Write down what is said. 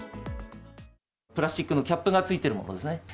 プラスチックのキャップがついているものですね。